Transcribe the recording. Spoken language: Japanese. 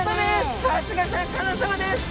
さすがシャーク香音さまです。